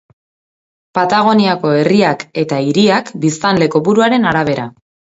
Patagoniako herriak eta hiriak biztanle kopuruaren arabera.